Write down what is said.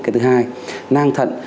cái thứ hai nang thận